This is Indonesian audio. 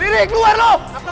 lirik luar lu